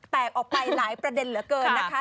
แตกออกไปหลายประเด็นเหลือเกินนะคะ